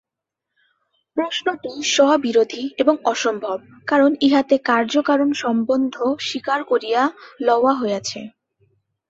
প্রশ্নটি স্ববিরোধী এবং অসম্ভব, কারণ ইহাতে কার্য-কারণ-সম্বন্ধ স্বীকার করিয়া লওয়া হইয়াছে।